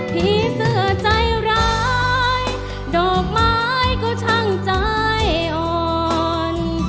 ผีเสื้อใจร้ายดอกไม้ก็ช่างใจอ่อน